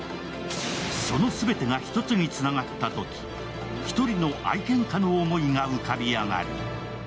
その全てが１つにつながったとき１人の愛犬家の思いが浮かび上がる